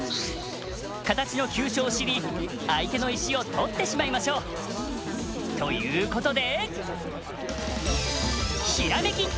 形の急所を知り相手の石を取ってしまいましょう。ということで。